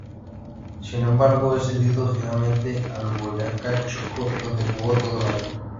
Sin embargo, es cedido finalmente al Boyacá Chicó, donde jugó todo el año.